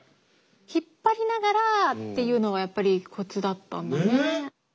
引っ張りながらっていうのがやっぱりコツだったんだね。